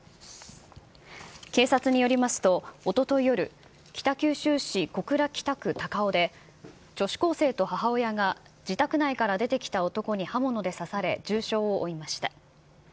警察によりますと、おととい夜、北九州市小倉北区たかおで、女子高生と母親が自宅内から出てきた男に刃物で刺され重傷を負いました。